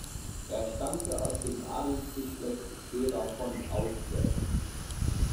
Er stammte aus dem Adelsgeschlecht derer von Aufseß.